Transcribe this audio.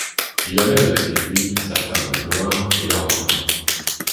Il amène avec lui sa femme noire et leurs enfants.